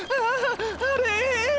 あれ？